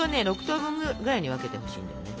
６等分ぐらいに分けてほしいんだよね。